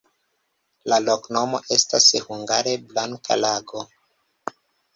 La loknomo estas hungare: blanka-lago.